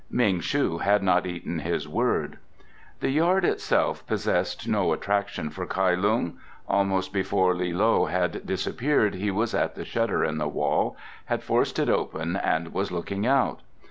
Ming shu had not eaten his word. The yard itself possessed no attraction for Kai Lung. Almost before Li loe had disappeared he was at the shutter in the wall, had forced it open and was looking out.